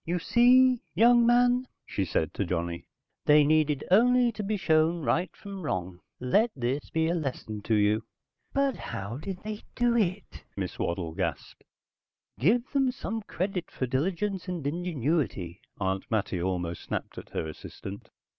"You see, young man," she said to Johnny. "They needed only to be shown right from wrong. Let this be a lesson to you." "But how did they do it?" Mrs. Waddle gasped. "Give them some credit for diligence and ingenuity," Aunt Mattie almost snapped at her assistant.